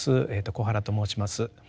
小原と申します。